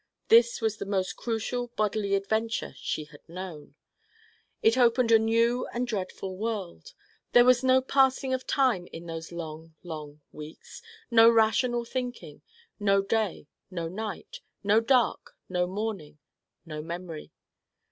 This was the most crucial bodily adventure she had known. It opened a new and dreadful world. There was no passing of time in those long, long weeks, no rational thinking, no day, no night, no dark, no morning, no memory.